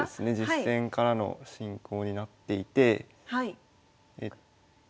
実戦からの進行になっていてそうですね